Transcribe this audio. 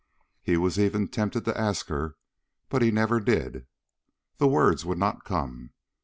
He was even tempted to ask her; but he never did. The words would not come.